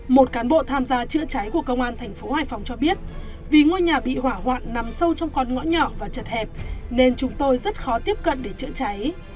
một cán bộ tham gia trợ cháy của công an tp hoài phòng cho biết vì ngôi nhà bị hỏa hoạn nằm sâu trong con ngõ nhỏ và chật hẹp nên chúng tôi rất khó tiếp cận để trợ cháy